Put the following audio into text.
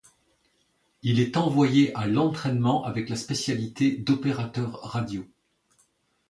Il est envoyé à l'entraînement, avec la spécialité d'opérateur radio.